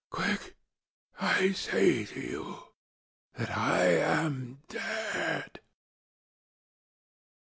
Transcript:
ŌĆöquick! ŌĆöI say to you that I am dead!